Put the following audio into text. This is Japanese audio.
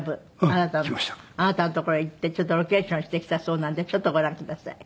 あなたの所へ行ってちょっとロケーションしてきたそうなんでちょっとご覧ください。